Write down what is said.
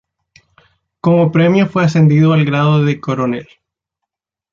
Como premio fue ascendido al grado de coronel.